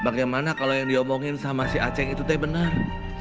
bagaimana kalau yang diomongin sama si aceh itu teh benar